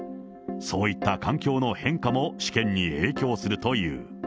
そういった環境の変化も試験に影響するという。